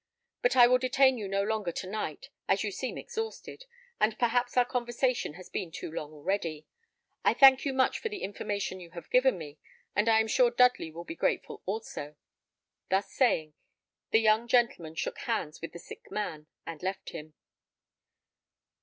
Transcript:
But I will detain you no longer to night, as you seem exhausted, and perhaps our conversation has been too long already. I thank you much for the information you have given me, and I am sure Dudley will be grateful also." Thus saying, the young gentleman shook hands with the sick man, and left him.